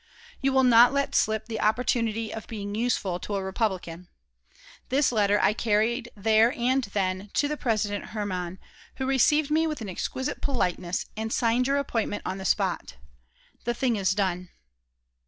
You will not let slip the opportunity of being useful to a Republican.... This letter I carried there and then to the President Herman, who received me with an exquisite politeness and signed your appointment on the spot. The thing is done."